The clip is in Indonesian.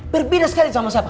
berbeda sekali sama siapa